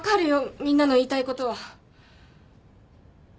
みんなの言いたいことは。